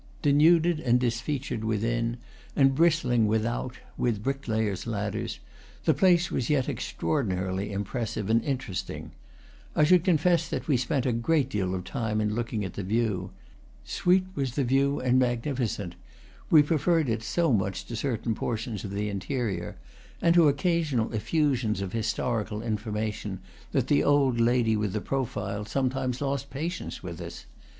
Denuded and disfeatured within, and bristling without with brick layers' ladders, the place was yet extraordinarily im pressive and interesting. I should confess that we spent a great deal of time in looking at the view. Sweet was the view, and magnificent; we preferred it so much to certain portions of the interior, and to oc casional effusions of historical information, that the old lady with the prove sometimes lost patience with us.